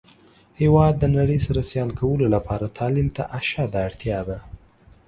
هیواد د نړۍ سره سیال کولو لپاره تعلیم ته اشده اړتیا ده.